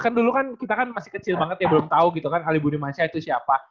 kan dulu kan kita kan masih kecil banget ya belum tahu gitu kan ali budimansyah itu siapa